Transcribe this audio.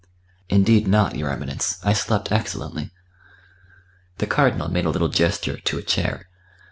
"Indeed not, your Eminence. I slept excellently." The Cardinal made a little gesture to a chair.